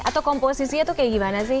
atau komposisinya tuh kayak gimana sih